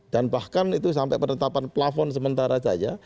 dan bahkan itu sampai penetapan plafon sementara saja